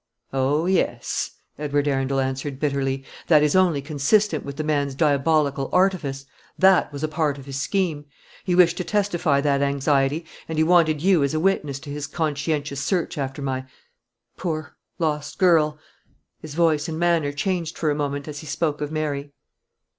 "Oh, yes," Edward Arundel answered bitterly; "that is only consistent with the man's diabolical artifice; that was a part of his scheme. He wished to testify that anxiety, and he wanted you as a witness to his conscientious search after my poor lost girl." His voice and manner changed for a moment as he spoke of Mary.